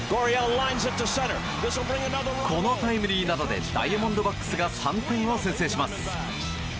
このタイムリーなどでダイヤモンドバックスが３点を先制します。